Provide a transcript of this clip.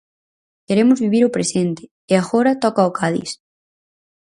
Queremos vivir o presente, e agora toca o Cádiz.